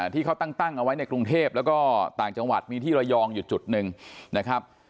ที่เขาตั้งเอาไว้ในกรุงเทพแล้วก็ต่างจังหวัดมีที่ระยองอยู่จุดหนึ่งนะครับ